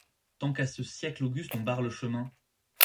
Tant qu'à ce siècle auguste on barre le chemin